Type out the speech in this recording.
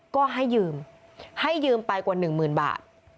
ก็ให้ยืมให้ยืมไปกว่าหนึ่งหมื่นบาท